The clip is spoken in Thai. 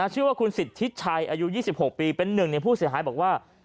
ชื่อว่าคุณสิทธิชัยอายุ๒๖ปีเป็นหนึ่งในผู้เสียหายบอกว่า